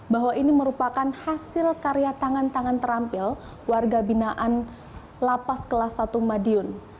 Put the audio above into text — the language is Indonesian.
bahwa ini merupakan hasil karya tangan tangan terampil warga binaan lapas kelas satu madiun